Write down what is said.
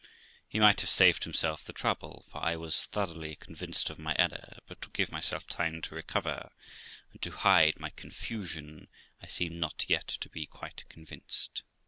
He might have saved himself the trouble, for I was thoroughly con vinced of my error; but, to give myself time to recover, and to hide my confusion, I seemed not yet to be quite convinced.